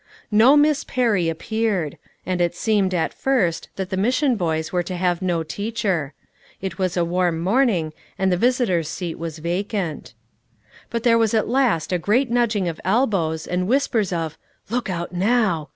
No Miss Perry appeared; and it seemed, at first, that the mission boys were to have no teacher. It was a warm morning, and the visitors' seat was vacant. But there was at last a great nudging of elbows, and whispers of "Look out now!"